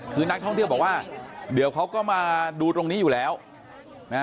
คือนักท่องเที่ยวบอกว่าเดี๋ยวเขาก็มาดูตรงนี้อยู่แล้วนะฮะ